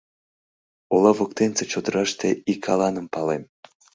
— Ола воктенсе чодыраште ик аланым палем.